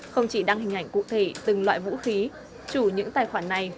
không chỉ đăng hình ảnh cụ thể từng loại vũ khí chủ những tài khoản này